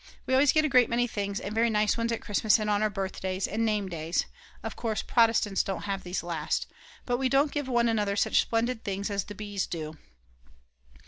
We always get a great many things and very nice ones at Christmas and on our birthdays and name days (of course Protestants don't have these last), but we don't give one another such splendid things as the Bs. do.